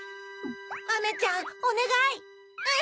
アメちゃんおねがい！